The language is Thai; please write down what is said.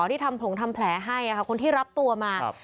ที่ทำผงทำแผลให้คนที่รับตัวมา